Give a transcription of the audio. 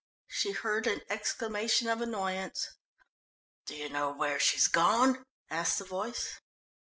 She heard an exclamation of annoyance. "Do you know where she's gone?" asked the voice.